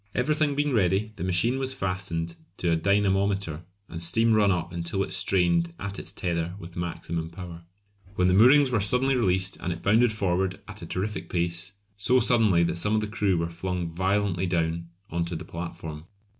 Everything being ready the machine was fastened to a dynamometer and steam run up until it strained at its tether with maximum power; when the moorings were suddenly released and it bounded forward at a terrific pace, so suddenly that some of the crew were flung violently down on to the platform.